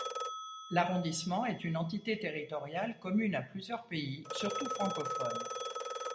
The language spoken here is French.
L'arrondissement est une entité territoriale commune à plusieurs pays, surtout francophones.